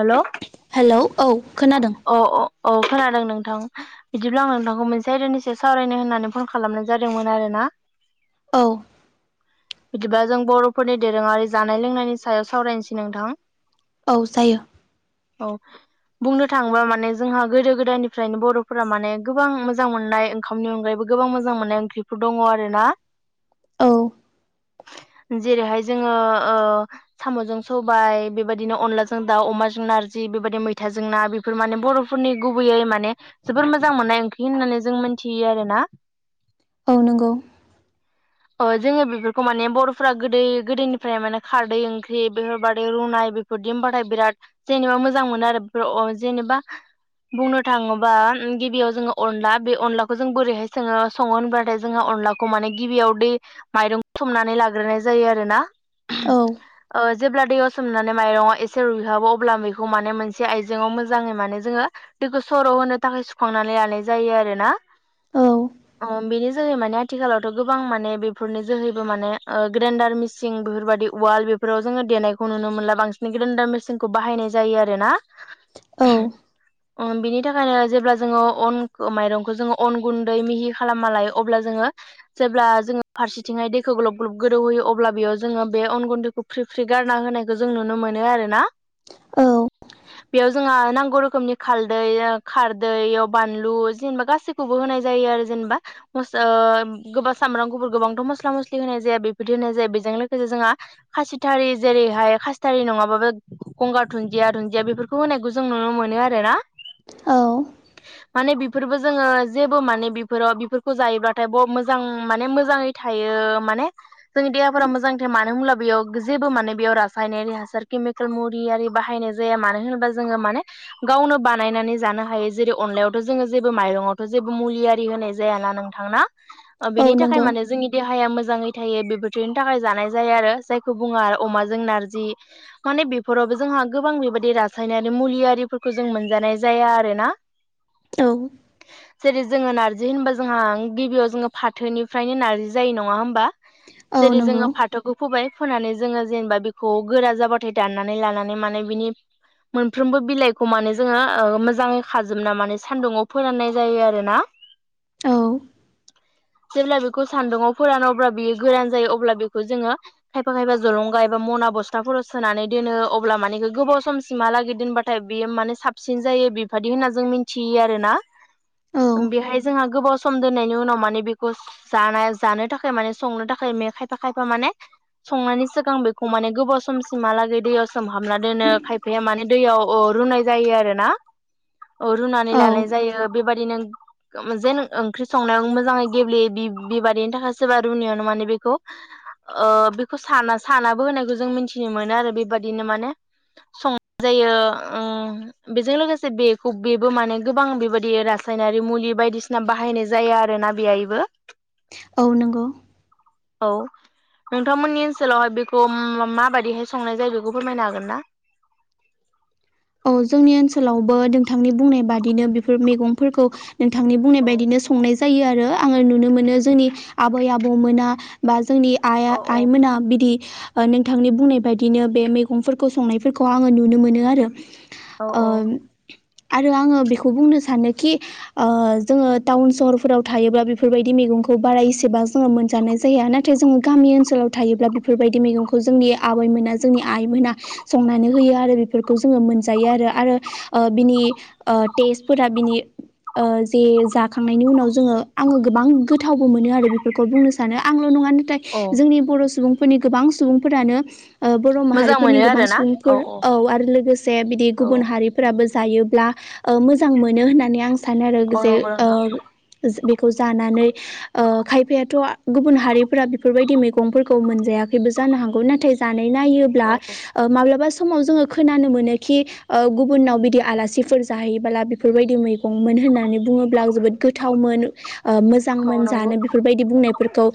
हेल' औ हेलौ औ खोनादों अ। औ खोनादों नोंथां बिदिब्ला आं नोंथांखौ मोनसे आयदानिसो सावरायनो होननानै फन खालामनाय जादोंमोन आरो ना। ना औ। बिदिबा जों बर'फोरनि दोरोङारि जानाय लोंनायनि सायाव सावरायनोसै नोंथां। औ जायो। औ। बुंनो थाङोबा माने जोंहा गोदो गोदायनिफ्रायनो बर'फोरा माने गोबां मोजां मोननाय ओंखामनि अनगायैबो गोबां मोजां मोननाय ओंख्रिफोर दङ आरोना। औ जेरैहाय जोङो साम'जों सबाय बेबायदिनो अनलाजों दाउ अमाजों नार जि बेबायदि मैथा जोंना बेफोर माने बर'फोरनि गुबैयै माने जोबोर मोजां मोननाय ओंख्रि होननानै जों मोनथियो आरोना। औ नंगौ अ जोङो बेफोरखौ माने बर'फोरा गोदै गोदोनिफ्राय माने खारदै ओंख्रि बेफोरबादि रुनाय बेफोरदि होनोमबाथाय बिराद बिराद जेनेबा मोजां मोनो आरो जेनेबा बुंनो थाङोबा गिबियाव जोङो अनला बे अनलाखौ जों बोरैहाय सोङो सङो होनबाथाय जोङो अनलाखौ माने गिबियाव दै माइरं थुमनानै लाग्रोनाय जायो आरोना। औ जेब्ला दैयाव सोमनानै माइरङा एसे रुइहाबो अब्ला बेखौ माने मोनसे आइजेंआव मोजाङै माने जोङो दैखौ सर' होनो थाखाय सुखांनानै लानाय जायो आरो ना। औ अ बेनि जै माने आथिखालावथ' गोबां माने बेफोरनि जोहैबो माने ग्रेनडार मिसिन बेफोरबायाददि उवाल बेफोराव जोङो देनायखौ नुनो मोनला बांसिन ग्रेन्दार मिसिनखौ बाहायनाय जायो ना औ अम‌ बिनि थाखायनो जेब्ला जोङो अन माइरंखौ जोङो अन गुन्दै मिहि खालामा लायो अब्ला जोङो जब्ला जोङो फारसे आथिङाय दैखौ ग्लोब ग्लब गोदौहोयो अब्ला बेयाव जोङो बे अन गुन्दैखौ फ्रि -फ्रि गारना होनायखौ जों नुनो मोनो आरोना। [inaudible] औ बेयाव जोंहा नांगौ रोखोमनि खालदै ओ खारदैयाव बानलु जेनेबा गासैखौबो होनाय जाय होयो आरो जेनेबा हस ओ गोबां सामब्राम गुफुर गोबांथ' मस मस्ला मस्लि होनाय जाया बेबायदि होनाय जायो बेजों लोगोसे जोंहा खासिथारि जेरैहाय खासिथारि नङाबाबो। गंगार धुन्दिया धुन्दिया बेफोरखौ होनायखौ जों नुनो मोनो आरो ना। औ। फोरबो जोंङो जेबो माने बिफोराव बिफोरखौ जायोबाथाय ब' मोजां माने मोजाङैथ थायो माने जोंनि देहाफोरा मोजां थायो मानो होनब्ला बेयाव जेबो माने बेयाव रासायनारि हासार। मेकेल मुरियारि बाहायनाय जाया मानो होनोबा जोंङो माने गावनो बानायनानै जानो हायो जेरै अनलाइ यावथ' जोंङो जेबो माइरंआवथ' जेबो मुलिआरि होनाय जायाना नोंथां ना ओ औ बिनि थाखाय नंगौ माने जोंनिथ हाया मोजाङै थायो बेफोरथिनि थाखाय जानाय जायो आरो जायखौ बुङा आरो अमाजों नारजि माने। बिफोरावबो जोंहा गोबां बेबायदि रासायनारि मुलियारिफोरखौ जों मोनजानाय जाया आरो ना। औ। जेरै जोङो नार्जि होनबा जोंहाओं गिबियाव जोंङो फाथोनिफ्रायनो नार्जि जायो नङा होमबा। औ जेरै नंगौ जोङो फाथ'खौ फोबाय फोनानै जोङो जेनेबा बिखौ गोरा जाबाथाय दाननानै लानानै माने बिनि मोनफ्रोमबो बिलाइखौ माने जोङो ओ मोजाङै खाजोबना माने सान्दुङाव फोराननाय जायो आरो ना। औ। जेब्ला बिखौ सान्दुङाव फोरानो अब्ला बियो गोरान जायो अब्ला बिखौ जोङो खायफा खायफा मना जलंगा एबा मना बस्थाफोराव सानानै दोनो अब्ला माने गोबाव समसिमहालागै दोनबाथाय बियो माने साबसिन जायो बेफादि होनना जों मिनथियो आरो ना। औ बेहाय जोंहा गोबाव सम दोननायनि उनाव माने बेखौ जानाय जानो थाखाय माने संनो थाखाय मे खायफा खायफा माने संनायनि सिगां बेखौ माने गोबाव समसिमहालागै दैयाव सोम हाबना दोनो खायफाया माने दैयाव ओ रुनाय जायो आरो ना। औ रुनानै औ लानाय जायो बेबादिनो ओम जेन ओंख्रि संनायाव मोजाङै गेब्लेयो बिब बिबारैनि थाखाय सोरबा रुनायावनो माने बेखौ ओ बेखौ साना सानाबो होनायखौ जों मिथि मोनो आरो बेबादिनो माने संनाय जायो ओ बेजों लोगोसे बेखौ बेबो माने गोबां बेबादि रासायनारि मुलि बायदिसिना बाहायनाय जायो आरोना बेहायबो। औ नोंगौ। औ। नोंथांमोननि ओनसोलावहाय बेखौ माबायदिहाय संनाय जायो बेखौ फोरमायनो हागोन ना? [inaudible] औ जोंनि ओनसोलावबो नोंथांनि बुंनाय बादिनो बिफोर मैगंफोरखौ नोंथांनि बुंनाय औ बायदिनो संनाय जायो आरो आङो नुनो मोनो जोंनि आबै आबौमोना बा जोंनि आइआ औ आइमोना बिदि ओ नोंथांनि बुंनाय बायदिनो बे मैगंफोरखौ संनायफोरखौ आङो नुनो मोनो आरो। औ ओ औ आरो आङो बेखौ बुंनो सानोखि ओ जोङो टाउन सहरफोराव थायोबा बेफोरबायदि मैगं खौ बारा एसेबां जोङो मोनजानाय जाया नाथाय जोङो गामि ओनसोलाव थायोब्ला बेफोरबायदि मैगंखौ जोंनि आब [unintelligible] मोना जोंनि आइ मोना संनानै होयो आरो बेफोरखौ जोङो मोनजायो आरो आरो ओ बिनि ओ टेस्टफोरा बिनि ओ जे जाखांनायनि उनाव जोङो आङो गोबां गोथावबो मोनो आरो बेफोरखौ बुंनो सानो आंल' नङा थाय औ जोंनि बर' सुबुंफोरनि गोबां सुबुंफोरानो ओ बर' मोजां माहारिफोरनि मोनो गोबां आरोना सुबुंफोर औ आरो लोगोसे बिदि औ गुबुन हारिफोराबो जायोब्ला ओ मोजां मोनो होननानै आं सानो आरो औ जे नंगौ ओ नोंथां जे बे जानानै ओ खायफायाथ' गुबुन हारिफोरा बेफोरबायदि मैगंफोरखौ मोनजायाखैबो जानो हागौ नाथाय जानाय नायोब्ला औ ओ माब्लाबा समाव जोङो खोनानो मोनो खि ओ गुबुननाव बिदि आलासिफोर जाहैबोला बिफोरबायदि मैगंमोन होननानै बुङोब्ला जोबोद गोथावमोन। ओ औ मोजांमोन नंगौ जानो बेफोरबायदि बुंनायफोरखौ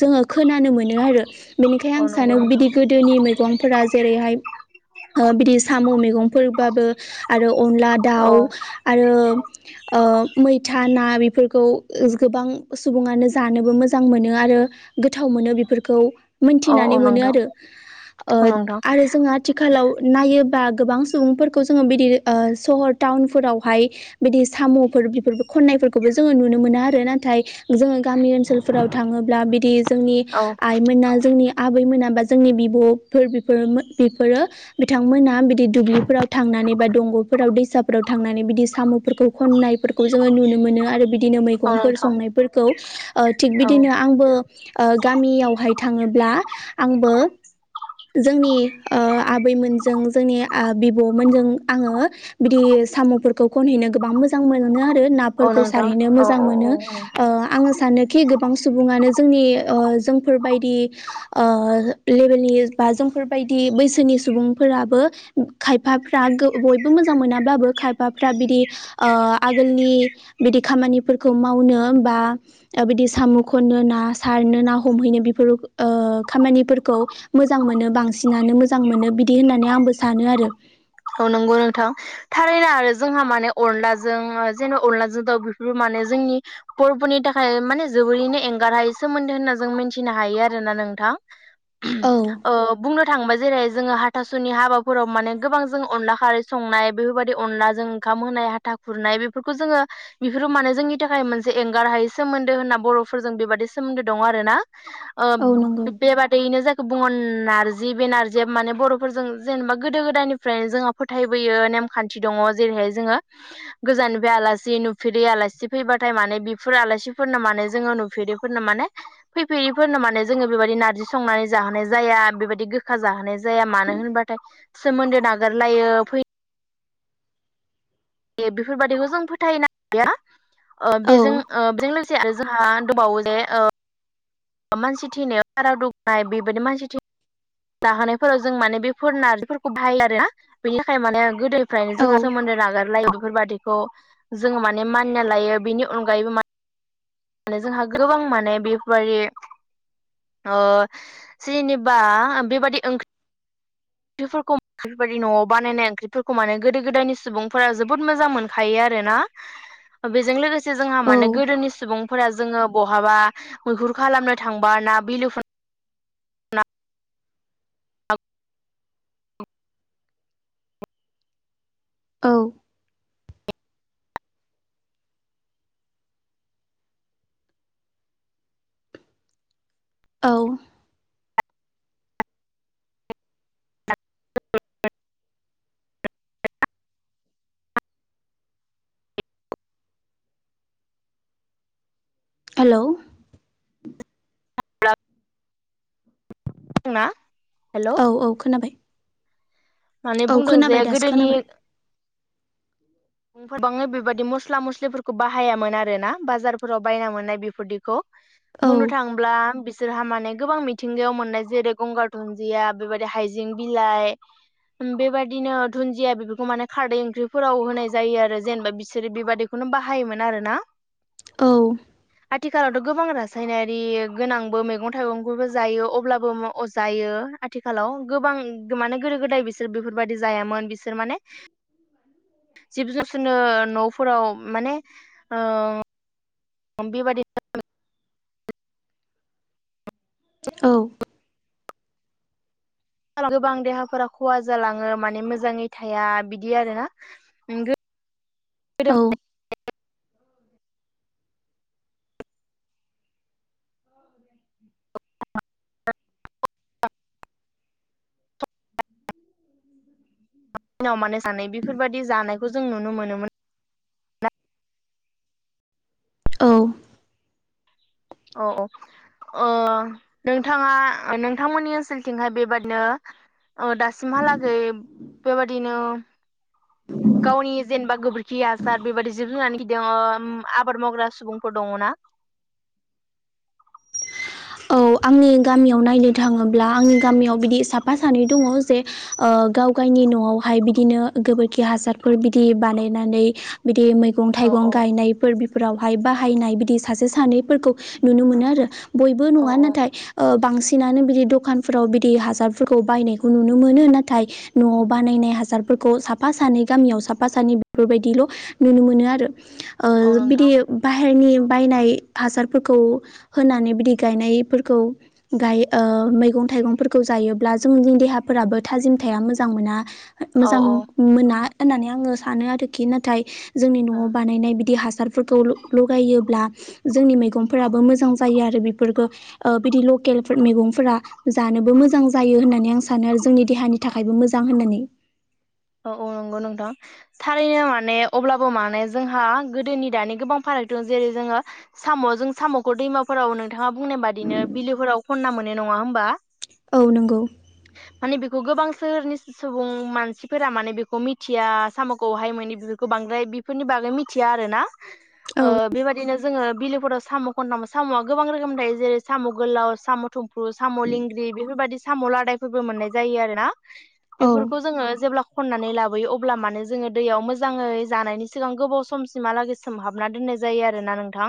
जोङो खोनानो मोनो आरो। बेनिखायनो आं औ सानो नंगौ नोंथां बिदि गोदोनि मैगंफोरा जेरैहाय ओ बिदि साम' मैगंफोरबाबो आरो अनला औ दाउ आरो ओ मैथा ना बेफोरखौ गोबां सुबुङानो जानोबो मोजां मोनो आरो गोथाव मोनो बेफोर खौ औ मोनथिनानै मोनो नोंथां आरो। औ ओ नोंथां रो जों आथिखालाव नायो बा गोबां सुबुंफोरखौ जोङो बिदि ओ सहर टाउन फोरावहाय बिदि साम'फोर बेफोर खननायफोरखौबो जोङो नुनो मोना आरो नाथाय जोङो गामि ओनसोलफोराव थाङोब्ला बिदि जोंनि आइमोना जोंनि आबैमोना बा जोंनि बिब'फोर फोर बेफोरो बिथांमोना बिदि दुब्लिफोराव थांनानै बा दंग'फोराव दैसाफोराव थांनानै बिदि साम'फोरखौ खननायफोरखौ जोङो नुनो मोनो आरो बिदिनो औ मैगंफोर नोंथां संनायफोरखौ ओ थिग बिदिनो औ आंबो ओ गामियावहाय थाङोब्ला आंबो जोंनि ओ आबैमोनजों जोंनि आ बिब'मोनजों आङो बिदि साम'फोरखौ खनहैनो गोबां मोजां मोनो आरो औ नाफोरखौ नोंथां सारहैनो औ मोजां औ मोनो औ औ ओ आङो सानोखि गोबां सुबुङानो जोंनि ओ जोंफोरबायदि ओ लेभेलनि बा जोंफोरबायदि बैसोनि सुबुंफोराबो खायफाफ्रा गो बयबो मोजां मोनाब्लाबो खायफाफ्रा बिदि ओ आगोलनि बिदि खामानिफोरखौ मावनो बा बिदि सामु खननो ना सारनो ना हमहै नो बेफोर ओ खामानिफोरखौ मोजां मोनो बांसिनानो मोजां मोनो बिदि होननानै आंबो सानो आरो नंगौ नोंथां थारैनो आरो जोंहा माने अनलाजों जेन' अनलाजों दाउ बेफोरबो माने जोंनि बर'फोरनि थाखाय माने जोबोरैनो एंगारहायै सोमोन्दो होनना जों मिथिनो हायो आरोना नोंथा थां औ बुंनो थाङोबा जेरै जोङो हाथासुनि हाबाफोराव माने गोबां जों अनला खारै संनाय बेफोरबायदि अनलाजों ओंखाम होनाय हाथा खुरनाय बेफोरखौ जोङो बेफोरखौ माने जों नि थाखाय मोनसे एंगार हायै सोमोन्दो होनना बर'फोरजों बेबादि सोमोन्दो दं आरोना। औ नंगौ बेबादियैनो जों गुबुन नारजि बे नारजियाबो माने बर'फोरजों जेनेबा गोदो गोदायनि फ्राय जोंहा फोथायबोयो नेमखान्थि दङ जेरैहाय जोङो गोजाननिफाय आलासि नुफेरै आला आसि फैबाथाय माने बेफोर आलासिफोरनो माने जोङो नुफेरिफोरनो माने फैफेरिफोरनो माने जोङो बेबायदि नारजि संनानै जाहोनाय जाया बेबायदि गोखा जाहोनाय जाया मानो होनबाथाय सोमोन्दो नागा गारलायो फै यो बेफोरबादिखौ जों फोथायनो हाया ओ बेजों औ ओ बेजों लोगोसे आरो जोंहा दंबावो जे ओ मानसि थैनायाव सारादु होनाय बेबायदि मानसि थै जाहोनायफोराव जों माने बेफोर नारजिफोरखौ बाहायो आरोना बेनि थाखाय माने गोदोनिफ्रायनो औ जोंहा सोमोन दो नागारलायो बेफोरबादिखौ जोङो माने मानिना लायो बेनि अनगायैबो मा माने जोंहा गोबां माने बेफोरबादि ओ जेनेबा बेबादि ओंख्रि ओंख्रिफोरखौ बेफोरबायदि न'वाव बानायनाय ओंख्रिफोरखौ माने गोदो गोदायनि सुबुंफोरा जोबोद मोजां मोनखायो आरोना। बेजों लोगोसे जोंहा औ माने गोदोनि सुबुं फोरा जोङो बहाबा मैहुर खालामनो थांबा ना बिलो औ औ हेलौ दों ना? हेलौ औ औ खोनाबाय। माने औ बुंदों जे खोनाबाय दासो गोदोनि खोनाबाय गोबाङै बेबायादि मस्ला मस्लिफोरखौ बाहायामोन आरोना बाजारफोराव बायना मोननाय बेफोरदिखौ औ बुंनो थाङोब्ला बिसोरहा माने गोबां मिथिंगायाव मोननाय जेरै गंगार दुन्दिया बेबायदि हायजें बिलाइ बेबायदिनो दुनदिया बेफोरखौ माने खारदै ओंख्रि फोराव होनाय। जायो आरो जेनेबा बिसोरो बेबादिखौनो बाहायोमोन आरोना। औ आथिखालावथ' गोबां रासायनारि गोनांबो मैगं थाइगंफोरबो जायो अब्लाबो अ जायो। आथिखालाव गोबां माने गोदो गोदाय बिसोर बेफोरबायाददि जायामोन बिसोर माने [inaudible] [inaudible] जिब जुनसोननो न'फोराव माने ओ बेबादि नो औ गोबां देहाफोरा खहा जालाङो माने मोजाङै थाया बिदि आरो ना [unintelligible] औ [unintelligible] [inaudible] दि मानो सानाय बेफोरबादि जानायखौ जों नुनो मोनोमोन। औ। औ औ अ नोंथाङा नोंथांमोननि ओनसोलथिंहाय बेबादिनो औ दासिमहालागै बेबादिनो गावनि जेनेबा गोबोरखि हासार बेबादि जिब जुननानै खिदों आबाद मावग्रा सुबुंफोर दङना? [inaudible] औ आंनि गामियाव नायनो थाङोब्ला आंनि गामियाव बिदि साफा सानै दङ जे ओ गाव गावनि न'आवहाय बिदिनो गोबोरखि हासारफोर बिदि बानायनानै बिदि मै मैगं औ थाइगं औ गायनायफोर बेफोरावहाय बाहायनाय बिदि सासे सानैफोरखौ नुनो मोनो आरो। बयबो औ नङा औ ना अ बांसिनानो बिदि दखानफोराव बिदि हासारफोरखौ बायनायखौ नुनो मोनो नाथाय न'आव बानाय नाय हासारफोरखौ साफा सानै गामियाव साफा सानै बेफोरबायदिल' नुनो मोनो आरो। औ ओ बिदि नोंथां बाहेरनि बायनाय हासारफोरखौ होनानै बिदि गायनायफोर खौ गाय ओ मैगं थाइगंफोरखौ जायोब्ला जोंनि देहाफोराबो थाजिम थाया मोजां मोना औ मोजां औ मोना होननानै आङो सानो आरोखि नाथाय जोंनि न'आव बानायनाय बिदि हा सारफोरखौ लगायोब्ला जोंनि मैगंफोराबो मोजां जायो आरो बेफोरखौ। ओ बिदि लकेल मैगंफोरा जानोबो मोजां जायो होननानै आं सानो आरो जोंनि देहानि थाखायबो मोजां होनानै। [inaudible] औ औ नंगौ नोंथां थारैनो माने अब्लाबो माने जोंहा गोदोनि दानि गोबां फा राग दं जेरै जोङो साम' जों साम'खौ दैमाफोराव नोंथाङा बुंनाय बादिनो बिलिफोराव खनना मोनो। नङा होनोमबा। औ नंगौ। गोबां सोहोरनि सुबुं मानसि फोरा माने बेखौ मिथिया साम'खौहाय माने बेफोरखौ बांद्राय बेफोरनि बागै मिथिया आरो ना। औ ओ बेबा बिदिनो जोङो बिलोफोराव साम' खनथाम साम'आ गोबां रोखोम थायो जेरै साम' गोलाव साम' थुम्फु साम' लिं ग्रि बेफोरबायदि साम लादायफोरबो मोन्नाय जायो आरो ना। औ बेफोरखौ जोंङो जेब्ला खननानै लाबोयो अब्ला मानो जोङो दैयाव मोजाङै जानायनि सिगां गोबाव समसिमहालागै सोमहाबना दो नाय जायो आरो ना नोंथा।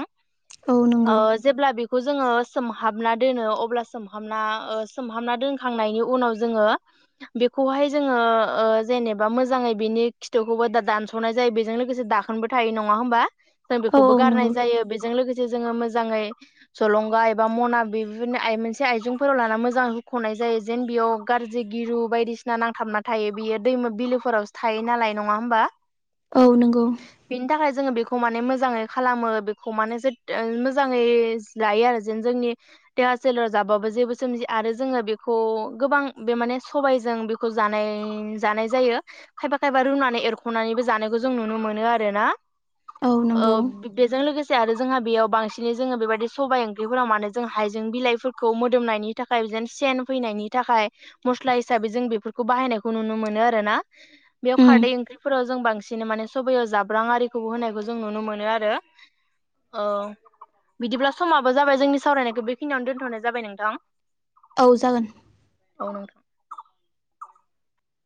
औ नंगौ ओ जेब्ला बे खौ जोङो सोमहाबना दोनो अब्ला सोमहाबना ओ सोमहाबना दोनखांनायनि उनाव जोङो बेखौहाय जोङो ओ जेनेबा मोजाङै बेनि खिथुखौबो दा दानस'नाय जायो बेजों लोगोसे दाखोनबो थायो नङा होमबा जों औ बेखौबो औ गारनाय नंगौ जायो बेजों लोगो से जोङो मोजाङै जलंगा एबा मना बेनो मोनसे आइजेंफोराव लाना मोजाङै हुख'नाय जायो जेन बेयाव गार्जि गिरु बायदिसिना नांथाबना थायो बियो दैमा बिलोफोरावसो थायो नालाय नङा होमबा। औ नोंगौ। बिनि थाखाय जोङो बेखौ माने मोजाङै खालामो बेखौ माने जोथोन ओं मोजाङै लायो आरो जेन जोंनि देहा सोलेर जाबाबो जेबो सोमजिया। आरो जोङो बेखौ गोबां बे माने सबायजों बेखौ जा जानाय जायो। खायफा खायफा रुनानै एरखनानैबो जानायखौ जों नुनो मोनो आरो ना। औ नंगौ ओ बेजों लोगो से आरो जोंहा बेयाव बांसिनै जोङो बेबायदि सबाय ओंख्रिफोराव मानो जों हाइजें बिलाइफोरखौ मोदोमनायनि थाखाय जेन सेन फैनायनि थाखाय मस्ला हिसाबै जों बेफोरखौ बाहायनायखौ नुनो मो नो आरो ना बेयाव उम खारदै ओंख्रिफोराव जों बांसिन माने सबयाव जाब्रां आरिखौबो होनायखौ जों नुनो मो नो आरो। औ बिदिब्ला समाबो जाबाय जोंनि सावरायनायखौ बेखिनियावनो दोनथनाय जाबाय नोंथां। औ जागोन। अ